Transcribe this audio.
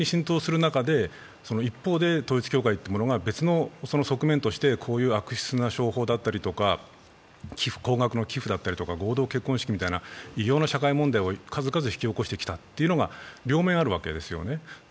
一方で統一教会というものが別の側面として悪質な商法だとか高額の寄付だったりとか合同結婚式といった異様な問題を数々引き起こしてきたというのが両面あるわけですよね。